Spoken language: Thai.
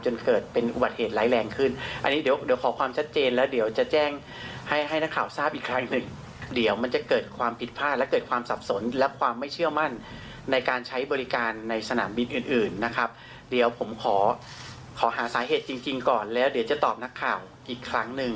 จนเกิดเป็นอุบัติเหตุร้ายแรงขึ้นอันนี้เดี๋ยวเดี๋ยวขอความชัดเจนแล้วเดี๋ยวจะแจ้งให้ให้นักข่าวทราบอีกครั้งหนึ่งเดี๋ยวมันจะเกิดความผิดพลาดและเกิดความสับสนและความไม่เชื่อมั่นในการใช้บริการในสนามบินอื่นอื่นนะครับเดี๋ยวผมขอขอหาสาเหตุจริงจริงก่อนแล้วเดี๋ยวจะตอบนักข่าวอีกครั้งหนึ่ง